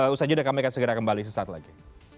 usaha jeda kami akan segera kembali sesaat lagi